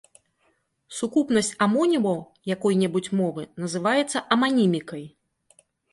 Сукупнасць амонімаў якой-небудзь мовы называецца аманімікай.